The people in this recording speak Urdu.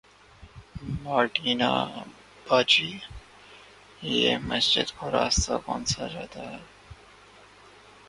مارٹینا باجی یہ مسجد کو راستہ کونسا جاتا ہے